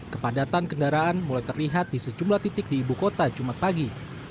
kepadatan kendaraan mulai terlihat di sejumlah titik di ibu kota jumat pagi